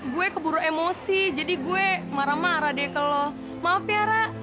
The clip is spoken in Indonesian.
gue keburu emosi jadi gue marah marah deh ke lo maaf ya ra